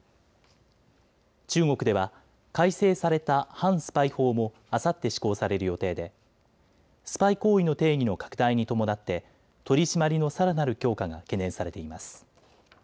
中国では改正された反スパイ法もあさって施行される予定でスパイ行為の定義の拡大に伴って取締りのさらなる強化が懸念されています。